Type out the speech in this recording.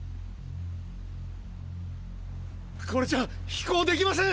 これじゃ飛行できません！！